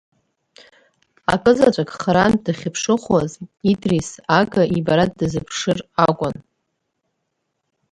Акы заҵәык харантә дахьыԥшыхәуаз Идрис Ага ибара дазыԥшыр акәын.